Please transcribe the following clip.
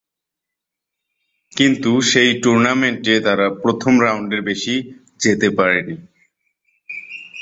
কিন্তু সেই টুর্নামেন্টে তাঁরা প্রথম রাউন্ডের বেশি যেতে পারে নি।